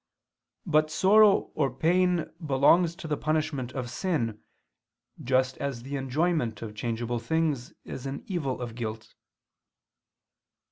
But sorrow or pain belongs to the punishment of sin, just as the enjoyment of changeable things is an evil of guilt.